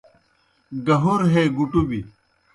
گُہر ہے گُٹُبیْ